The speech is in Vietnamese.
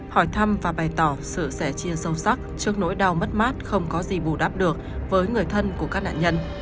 hỏi thăm và bày tỏ sự sẻ chia sâu sắc trước nỗi đau mất mát không có gì bù đắp được với người thân của các nạn nhân